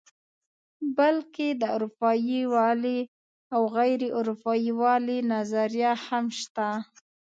بلکې د اروپايي والي او غیر اروپايي والي نظریه هم شته.